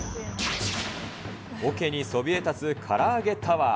おけにそびえ立つから揚げタワー。